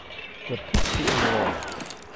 The Pixie Awards